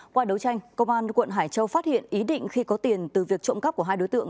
qua đấu tranh công an quận hải châu phát hiện ý định khi có tiền từ việc trộm cắp của hai đối tượng